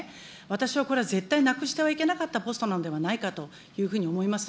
私はこれは絶対なくしてはいけなかった重要なポストなんではないかと思います。